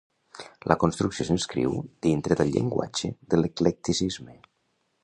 La construcció s'inscriu dintre del llenguatge de l'eclecticisme.